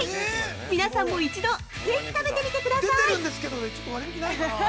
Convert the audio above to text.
皆さんも一度ぜひ食べてみてください！